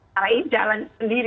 cari jalan sendiri